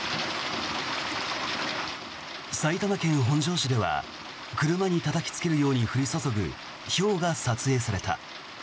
埼玉県本庄市では車にたたきつけるように降り注ぐひょうが撮影された。